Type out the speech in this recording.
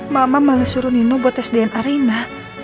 mama malah suruh nino buat tes dna